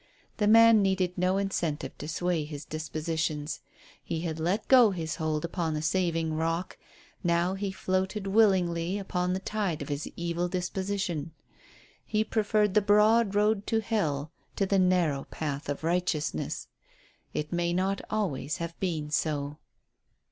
The man needed no incentive to sway his dispositions. He had let go his hold upon the saving rock, now he floated willingly upon the tide of his evil disposition. He preferred the broad road to Hell to the narrow path of Righteousness. It may not always have been so.